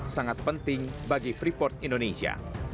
sangat penting bagi freeport indonesia